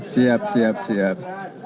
siap siap siap